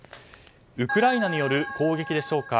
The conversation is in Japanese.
ウクライナによる攻撃でしょうか。